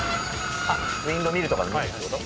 ウインドミルとかのミルってこと？